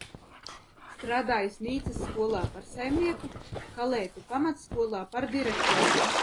Strādājis Nīcas skolā par saimnieku, Kalētu pamatskolā par direktoru.